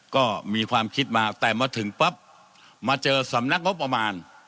ก็มีความคิดมาแต่มาถึงปั๊บมาเจอสำนักงบประมาณ